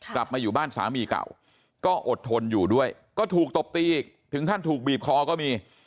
กลับมาอยู่บ้านสามีเก่าก็อดทนอยู่ด้วยก็ถูกตบตีอีกถึงขั้นถูกบีบคอก็มี